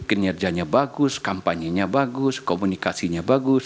kinerjanya bagus kampanye nya bagus komunikasinya bagus